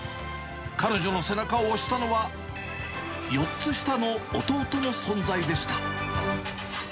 彼女の背中を押したのは、４つ下の弟の存在でした。